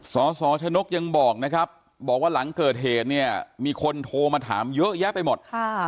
สสชนกยังบอกนะครับบอกว่าหลังเกิดเหตุเนี่ยมีคนโทรมาถามเยอะแยะไปหมด